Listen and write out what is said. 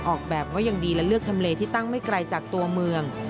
ออกแบบว่ายังดีและเลือกทำเลที่ตั้งไม่ไกลจากตัวเมือง